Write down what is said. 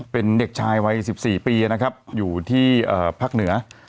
เป็นเด็กชายวัย๑๔ปีนะครับอยู่ที่ภาคเหนือ